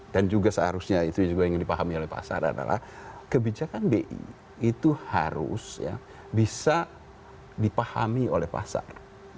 dan juga seharusnya itu yang dipahami oleh pasar adalah kebijakan bi itu harus bisa dipahami oleh pasar